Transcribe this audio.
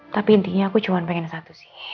tapi intinya aku cuma pengen satu sih